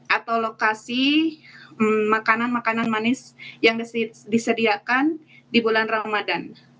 atau lokasi makanan makanan manis yang disediakan di bulan ramadan